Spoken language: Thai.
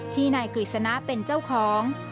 ที่นายกฤษณะเป็นเจ้าของ